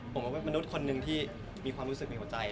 ผมก็เป็นมนุษย์คนหนึ่งที่มีความรู้สึกในหัวใจ